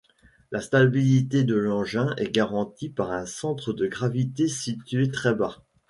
La stabilité de l'engin est garantie par un centre de gravité situé très bas.